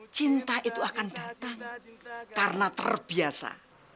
cinta itu akan datang karena terbiasa